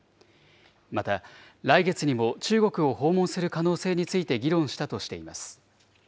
また、来月にも中国を訪問する可能性について議論したとしています。